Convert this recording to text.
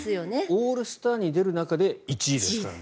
オールスターに出る中で１位ですからね。